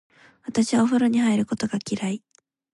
私はお風呂に入ることが嫌い。